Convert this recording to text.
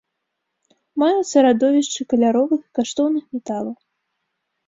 Маюцца радовішчы каляровых і каштоўных металаў.